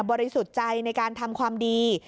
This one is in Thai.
สุทธิ์ใจในการทำความดี